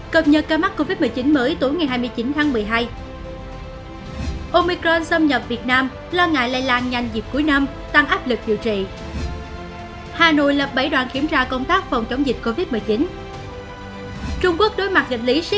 các bạn hãy đăng ký kênh để ủng hộ kênh của chúng mình nhé